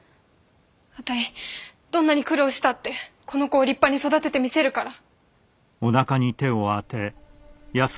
あたいどんなに苦労したってこの子を立派に育ててみせるから。